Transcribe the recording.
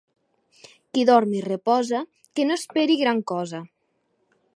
Qui dorm i reposa que no esperi gran cosa.